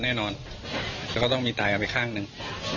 เขาจะต้องตายอันสิ่งอีกข้างนึง